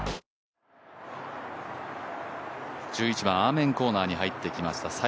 １１番、アーメンコーナーに入ってきました。